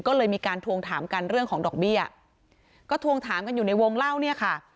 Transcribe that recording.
ก็เลยมีการทวงถามกันเรื่องของดอกเบี้ยก็ทวงถามกันอยู่ในวงเล่าเนี่ยค่ะ